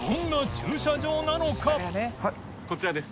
こちらです。